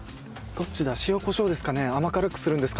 どっちだ？